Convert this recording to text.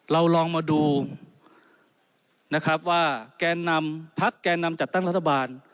เราลองมาดูนะครับว่าแกนนำพักแกนนำจัดตั้งรัฐบาล